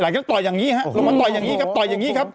ก็ต้องต่อยอย่างนี้ฮะลงมาต่อยอย่างนี้ครับต่อยอย่างนี้ครับ